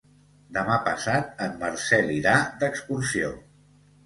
Demà passat en Marcel irà d'excursió.